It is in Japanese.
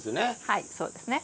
はいそうですね。